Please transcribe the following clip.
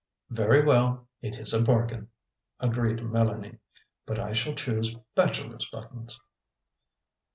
"Very well, it is a bargain," agreed Mélanie; "but I shall choose bachelors' buttons!"